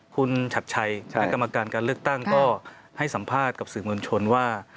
คุณชัดชัยคณะกรรมการการเลือกตั้งก็ให้สัมภาษณ์กับสื่อมวลชนว่า